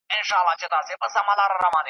دی شاهد زموږ د وصال دی تر هغه چي زه او ته یو .